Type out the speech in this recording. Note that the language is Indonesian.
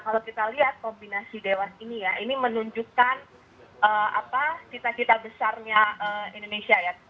kalau kita lihat kombinasi dewas ini ya ini menunjukkan cita cita besarnya indonesia ya